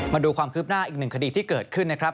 มาดูความคืบหน้าอีกหนึ่งคดีที่เกิดขึ้นนะครับ